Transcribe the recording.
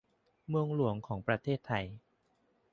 เมืองหลวงของประเทศไทย